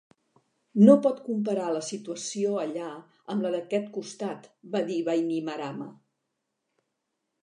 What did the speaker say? "No pot comparar la situació allà amb la d'aquest costat", va dir Bainimarama.